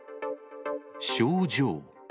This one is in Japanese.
症状。